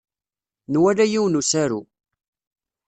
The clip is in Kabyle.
Nwala yiwen n usaru.